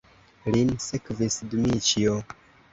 Lin sekvis Dmiĉjo.